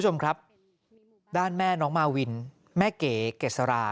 แม่น้องมาวินแม่เก๋เกษรา